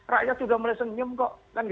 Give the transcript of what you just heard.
rakyat sudah mulai senyum kok